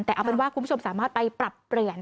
แต่เอาเป็นว่าคุณผู้ชมสามารถไปปรับเปลี่ยน